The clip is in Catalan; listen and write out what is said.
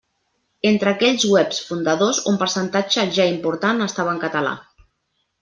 Entre aquells webs fundadors un percentatge ja important estava en català.